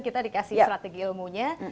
kita dikasih strategi ilmunya